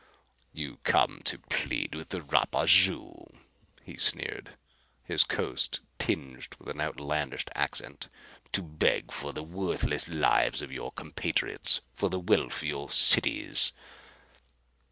"You come to plead with Rapaju," he sneered, his Cos tinged with an outlandish accent, "to beg for the worthless lives of your compatriots; for the wealth of your cities?"